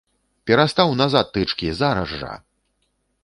Перастаў назад тычкі, зараз жа!